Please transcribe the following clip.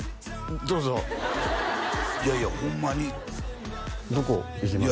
どうぞいやいやホンマにどこいきますか？